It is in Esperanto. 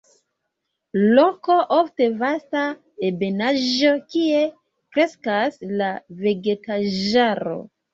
Loko, ofte vasta ebenaĵo, kie kreskas la vegetaĵaro.